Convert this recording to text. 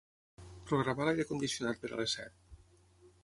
Programa l'aire condicionat per a les set.